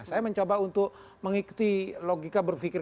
saya mencoba untuk mengikuti logika berfikir dua